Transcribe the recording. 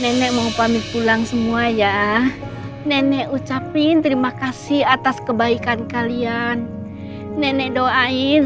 nenek mau pamit pulang semua ya nenek ucapin terima kasih atas kebaikan kalian nenek doain